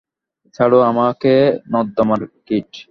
ছাড়ো আমাকে নর্দমার কীট!